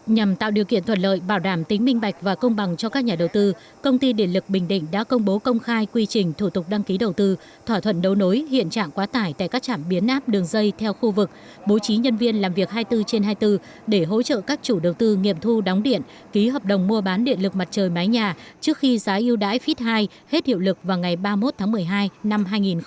nhằm tạo điều kiện thuận lợi bảo đảm tính minh bạch và công bằng cho các nhà đầu tư công ty điện lực bình định đã công bố công khai quy trình thủ tục đăng ký đầu tư thỏa thuận đấu nối hiện trạng quá tải tại các trạm biến áp đường dây theo khu vực bố trí nhân viên làm việc hai mươi bốn trên hai mươi bốn để hỗ trợ các chủ đầu tư nghiệp thu đóng điện ký hợp đồng mua bán điện lực mặt trời mái nhà trước khi giá yêu đãi fit hai hết hiệu lực vào ngày ba mươi một tháng một mươi hai năm hai nghìn hai mươi